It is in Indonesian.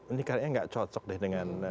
ini kayaknya nggak cocok deh dengan